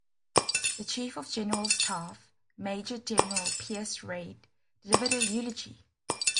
The Chief of General Staff, Major General Piers Reid, delivered a eulogy.